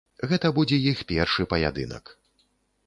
Гэта будзе іх першы паядынак.